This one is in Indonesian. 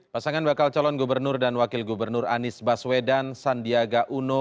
pasangan bakal calon gubernur dan wakil gubernur anies baswedan sandiaga uno